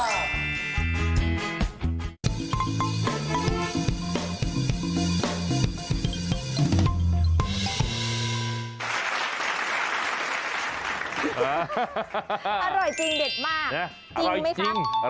อร่อยจริงเด็ดมากจริงไหมคะ